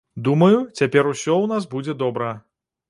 Думаю, цяпер усё ў нас будзе добра.